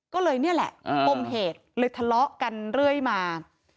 ก็เลยนี่แหละปมเหตุเลยทะเลาะกันเรื่อยมา